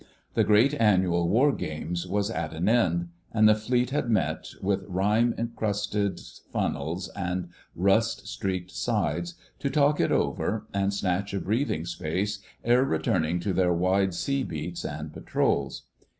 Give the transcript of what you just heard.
The great annual War game was at an end, and the Fleet had met, with rime crusted funnels and rust streaked sides, to talk it over and snatch a breathing space ere returning to their wide sea beats and patrols.